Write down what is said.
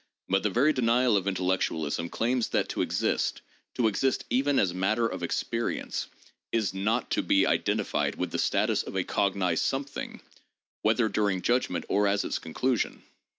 But the very denial of intellectualism claims that to exist — to exist even as matter of "experience" — is not to be identified with the status of a cognized something, whether during judgment or as its con clusion.